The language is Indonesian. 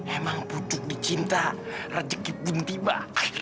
emang pucuk dicinta rejeki pun tiba